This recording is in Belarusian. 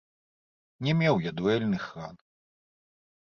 Не меў я дуэльных ран.